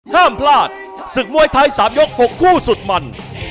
ห้ามพลาดศึกมวยไทย๓ยก๖คู่สุดมัน